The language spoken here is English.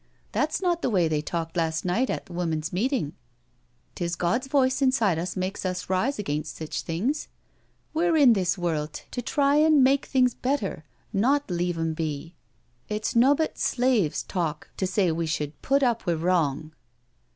That's not the way they talked last night at th' women's Meeting. 'Tis God's voice inside of us makes us rise against sich things. We're in this world to try an' make things better, not leave 'em be; it's nobbut slaves talk to say we should put up wi' wrong."